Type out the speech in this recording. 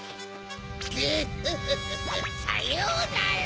グフフフ！さようなら！